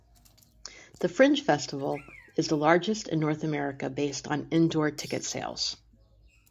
The fringe festival is the largest in North America based on indoor ticket sales.